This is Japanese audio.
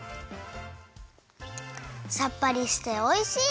さっぱりしておいしい！